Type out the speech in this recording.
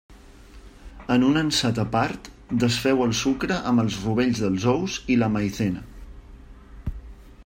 En un ansat a part, desfeu el sucre amb els rovells dels ous i la Maizena.